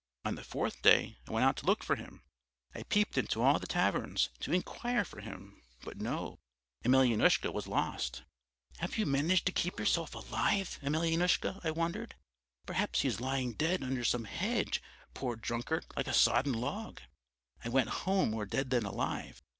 On the fourth day I went out to look for him; I peeped into all the taverns, to inquire for him but no, Emelyanoushka was lost. 'Have you managed to keep yourself alive, Emelyanoushka?' I wondered. 'Perhaps he is lying dead under some hedge, poor drunkard, like a sodden log.' I went home more dead than alive.